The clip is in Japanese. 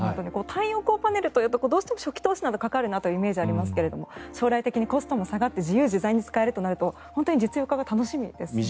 太陽光パネルというとどうしても初期投資がかかるなというイメージがありますが将来的にコストも下がって自由自在に使えるとなると本当に実用化が楽しみですね。